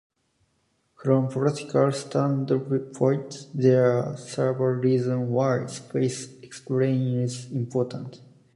From a practical standpoint, there are several reasons why space exploration is important.